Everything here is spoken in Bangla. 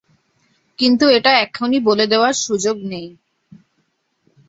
কিন্তু এটা এখনই বলে দেয়ার সুযোগ নেই।